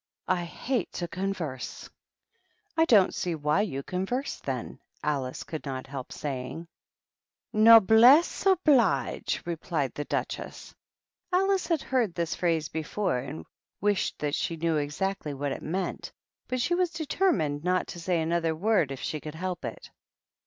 "I hate to con verse I" "I don't see why you converse, then," Alice could not help saying. ^^ Noblesse oblige P^ replied the Duchess. Alice had heard this phrase before, and wished that she knew exactly what it meant, but she was determined not to say another word if she could help it.